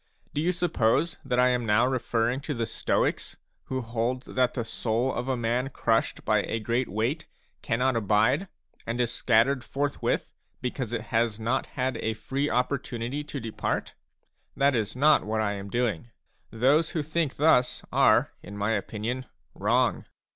Do you suppose that I am now referring to the Stoics, a who hold that the soul of a man crushed by a great weight cannot abide, and is scattered forthwith, because it has not had a free opportunity to depart ? That is not what I am doing ; those who think thus are, in my opinion, wrong.